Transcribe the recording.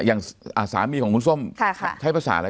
อย่างสามีของคุณส้มใช้ภาษาอะไร